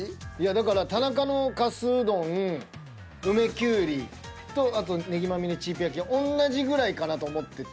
だから田中のかすうどん梅きゅうりとあと葱まみれチー平焼きはおんなじぐらいかなと思ってて。